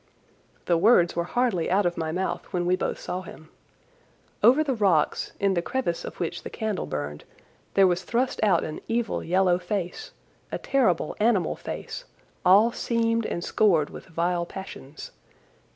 The words were hardly out of my mouth when we both saw him. Over the rocks, in the crevice of which the candle burned, there was thrust out an evil yellow face, a terrible animal face, all seamed and scored with vile passions.